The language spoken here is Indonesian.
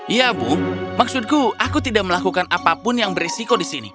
iya bu maksudku aku tidak melakukan apapun yang berisiko di sini